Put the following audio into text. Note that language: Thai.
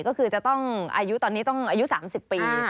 ก็คือจะต้องอายุตอนนี้ต้องอายุ๓๐ปี